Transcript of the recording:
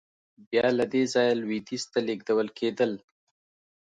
بیا له دې ځایه لوېدیځ ته لېږدول کېدل.